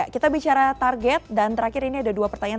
kita bicara target dan terakhir ini ada dua pertanyaan